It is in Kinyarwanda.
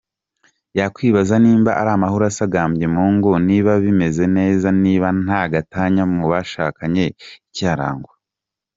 Yakwibaza niba amahoro asagambye, mu ngo niba bimeze neza, niba ntagatanya mu bashakanye ikiharangwa.